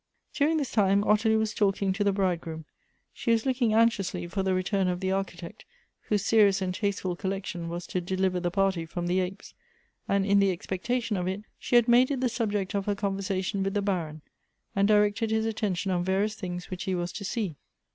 During this time, Ottilie was talking to the bridegroom ; she was looking anxiously for the return of the Architect, whose serious and tasteful collection was to deliver the party from the apes ; and in the expectation of it, she had made it the subject of her conversation with the Baron, and directed his attention on various things which he was to see.